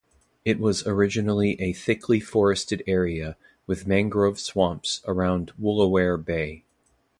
It was originally a thickly forested area, with mangrove swamps around Woolooware Bay.